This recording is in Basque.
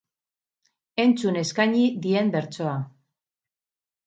Entzun eskaini dien bertsoa.